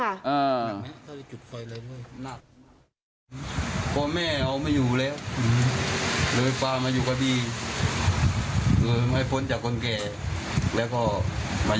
การประดับกฎภัยเสื้อให้ด้วยครับ